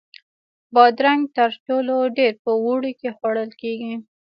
بادرنګ تر ټولو ډېر په اوړي کې خوړل کېږي.